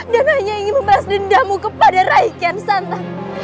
dan hanya ingin membalas dendamu kepada rakyat sana